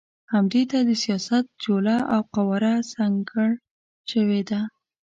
همدې ته د سیاست جوله او قواره سکڼل شوې ده.